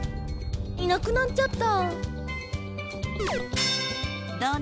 いなくなっちゃった。